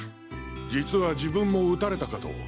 実は自分も撃たれたかと。